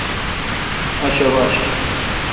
ااشوبش